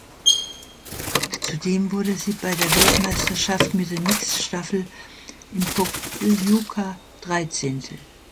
Zudem wurde sie bei der Weltmeisterschaft mit der Mixed-Staffel in Pokljuka Dreizehnte.